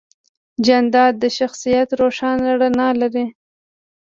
جانداد د شخصیت روښانه رڼا لري.